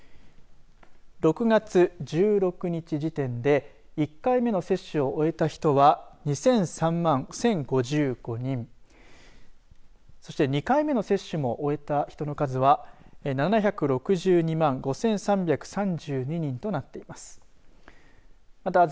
６月１６日時点で１回目の接種を終えた人は２００３万１０５５人そして２回目の接種も終えた人の数は７６２万５３３２人となっています。